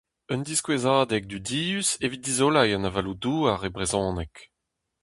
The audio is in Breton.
Un diskouezadeg dudius evit dizoleiñ an avaloù-douar e brezhoneg.